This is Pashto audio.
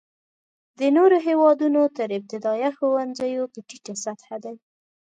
د نورو هېوادونو تر ابتدایه ښوونځیو په ټیټه سطحه دی.